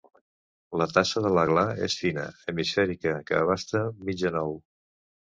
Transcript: La tassa de la gla és fina, hemisfèrica, que abasta mitjà nou.